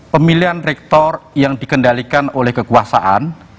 pemilihan rektor yang dikendalikan oleh kekuasaan